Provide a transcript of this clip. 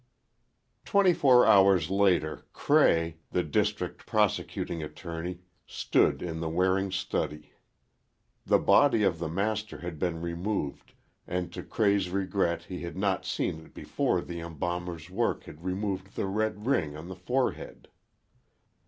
Twenty four hours later Cray, the District Prosecuting Attorney, stood in the Waring study. The body of the master had been removed, and to Cray's regret he had not seen it before the embalmer's work had removed the red ring on the forehead.